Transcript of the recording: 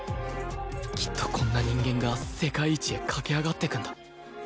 きっとこんな人間が世界一へ駆け上がっていくんだ